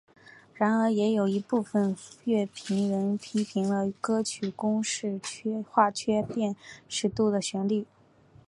然而也有一部分乐评人批评了歌曲公式化缺乏辨识性的旋律。